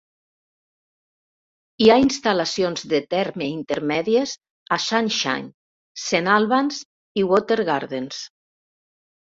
Hi ha instal·lacions de terme intermèdies a Sunshine, Saint Albans i Watergardens.